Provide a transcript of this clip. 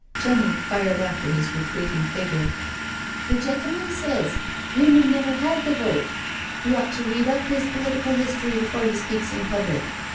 Jenny fired after his retreating figure: " The gentleman says women never had the vote. He ought to read up his political history before he speaks in public.